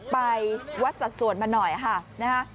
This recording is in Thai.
ไปวัดสัดส่วนมาหน่อยค่ะนะฮะ